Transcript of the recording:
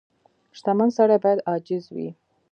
• شتمن سړی باید عاجز وي.